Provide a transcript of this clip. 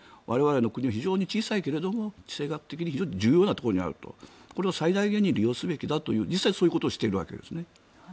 我々の国は非常に小さいが地政学的に非常に重要なところにあるこれを最大限利用すべきだと実際そういうことをしているわけです。